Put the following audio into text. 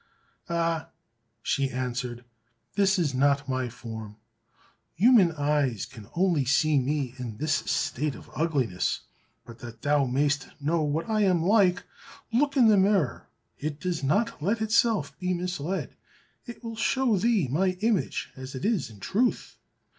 "Ah," she answered, "this is not my form; human eyes can only see me in this state of ugliness, but that thou mayst know what I am like, look in the mirror it does not let itself be misled it will show thee my image as it is in truth."